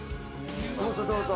どうぞどうぞ！